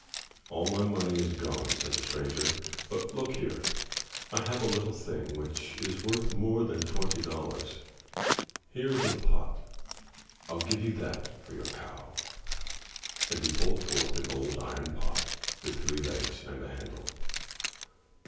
"All my money is gone," said the stranger, but look here — I have a little thing which is worth more than twenty dollars. Here is a pot. FU give you that for your cow." — ^And he pulled forth an old iron pot with three legs and a handle.